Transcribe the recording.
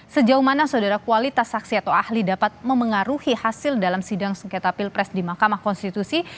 sejauh mana saudara kualitas saksi atau ahli dapat memengaruhi hasil dalam sidang sengketa pilpres di mahkamah konstitusi